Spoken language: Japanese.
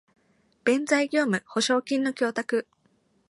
弁済業務保証金の供託